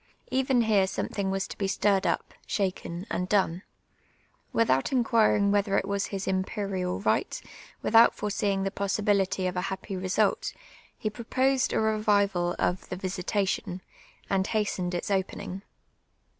Even here sonu'thin«r was to be stirred up, shaken, and done. Without in(piirin«; whether it was his imperial ri^ht, without foreseein}; the ]X)ssibility of a haj)py result, he proposed a revival of the " visitation,"' and ba.'^trned its o])eninj